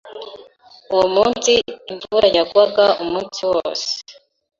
Uwo munsi, imvura yagwaga umunsi wose.